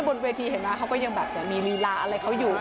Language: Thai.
บนเวทีเห็นไหมเขาก็ยังแบบมีลีลาอะไรเขาอยู่